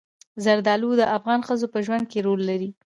زردالو د افغان ښځو په ژوند کې رول لري.